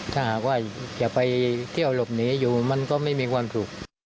ถ้าหากว่าจะไปเที่ยวหลบหนีอยู่มันก็ไม่มีความสุข